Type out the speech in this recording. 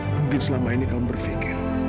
mungkin selama ini kaum berpikir